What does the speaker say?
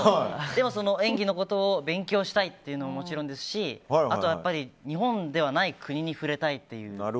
でも演技のことを勉強したいっていうのももちろんですしあとは日本ではない国に触れたいという。